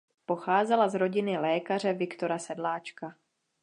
Pocházela z rodiny lékaře Viktora Sedláčka.